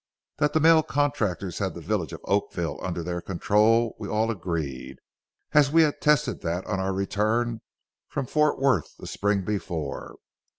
That the mail contractors had the village of Oakville under their control, all agreed, as we had tested that on our return from Fort Worth the spring before.